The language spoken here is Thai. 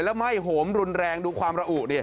แล้วไหม้โหมรุนแรงดูความระอุดิ